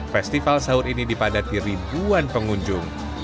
festival sahur ini dipadat di ribuan pengunjung